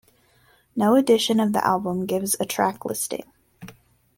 No edition of the album gives a track listing.